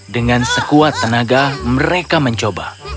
dengan sekuat tenaga mereka mencoba